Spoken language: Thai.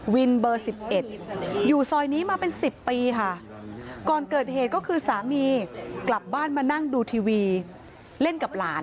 เบอร์๑๑อยู่ซอยนี้มาเป็น๑๐ปีค่ะก่อนเกิดเหตุก็คือสามีกลับบ้านมานั่งดูทีวีเล่นกับหลาน